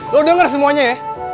lo denger semuanya ya